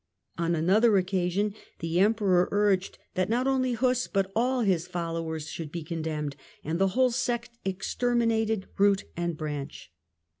On another occasion the Emperor urged that not only Huss but all his followers should be condemned, and the whole sect exterminated root and branch.